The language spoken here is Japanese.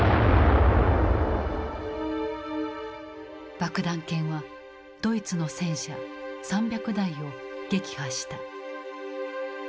爆弾犬はドイツの戦車３００台を撃破した。